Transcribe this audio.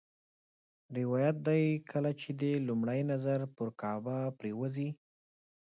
روایت دی کله چې دې لومړی نظر پر کعبه پرېوځي.